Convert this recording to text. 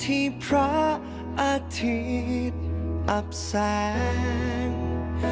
มีต่อประสบกันที่ก่อนทั่วทั้งแผ่นดินค่ะ